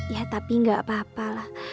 ya tapi nggak apa apa lah